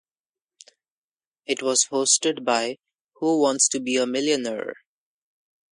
It was hosted by Who Wants to Be a Millionaire?